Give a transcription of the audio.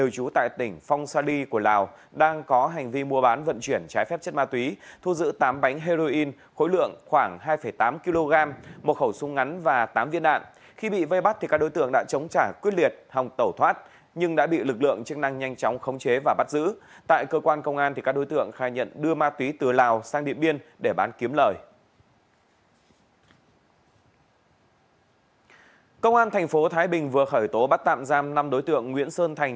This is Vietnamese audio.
công an tp thái bình vừa khởi tố bắt tạm giam năm đối tượng nguyễn sơn thành